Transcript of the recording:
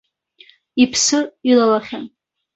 Иԥсы илалахьан.